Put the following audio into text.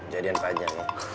jadian panjang ya